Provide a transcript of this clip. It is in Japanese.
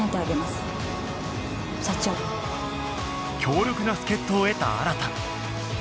強力な助っ人を得た新